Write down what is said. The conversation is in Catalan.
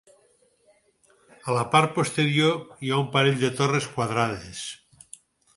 A la part posterior hi ha un parell de torres quadrades.